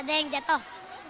ada yang jatuh